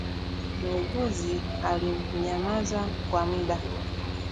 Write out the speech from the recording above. Muuguzi alinyamaza kwa muda